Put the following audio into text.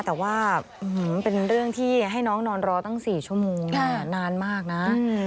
แต่ว่าเป็นเรื่องที่ให้น้องนอนรอตั้ง๔ชั่วโมงนานมากนะ